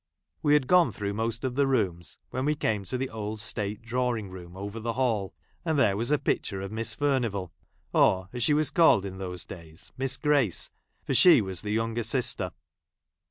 We jiad gone | through most of the rooms, when we came to j ! the old state drawing room over the hall, and 1 there was a picture of Miss Furnivall ; or, as she was called in those days. Miss Grace, for she Avas the younger sister.